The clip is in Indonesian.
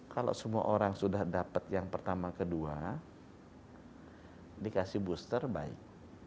kalau semua orang sudah dapat yang pertama kedua dikasih booster baik